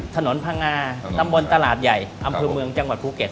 พังงาตำบลตลาดใหญ่อำเภอเมืองจังหวัดภูเก็ต